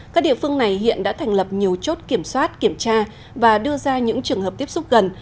các địa phương này hiện đã thành lập nhiều chốt kiểm soát kiểm tra và đưa ra những trường hợp tiếp xúc gần